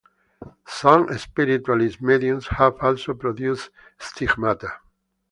Some spiritualist mediums have also produced stigmata.